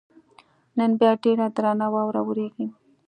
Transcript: نن بیا ډېره درنه واوره ورېږي.